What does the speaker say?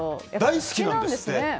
大好きなんです！